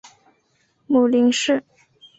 母林氏。